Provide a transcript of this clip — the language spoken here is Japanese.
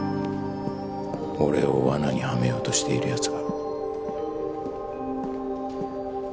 俺を罠にはめようとしているやつが。